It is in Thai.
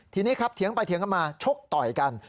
ทีนี้ครับเถียงไปเถียงกันมาชกต่อยกัน